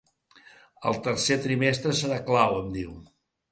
“El tercer trimestre serà clau”, em diu.